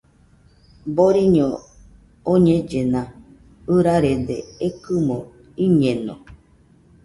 Boriño oñellena, ɨrarede ekɨmo iñeno